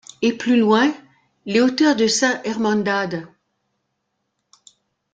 Et plus loin les hauteurs de Saint-Hermandad!